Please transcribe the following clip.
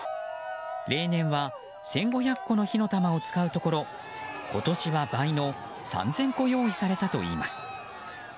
例年は１５００個の火の玉を使うところ今年は倍の３０００個用意されたといいます。